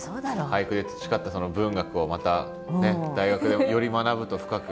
俳句で培ったその文学をまた大学でより学ぶと深く。